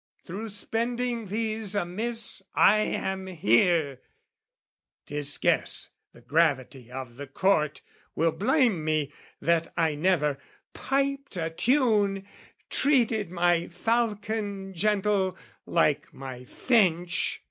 Through spending these amiss I am here! 'Tis scarce the gravity of the Court Will blame me that I never piped a tune, Treated my falcon gentle like my finch.